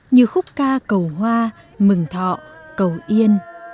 như khúc ca cầu hoa mừng thọ cầu yên